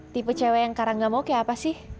tipe cw yang karang gak mau kayak apa sih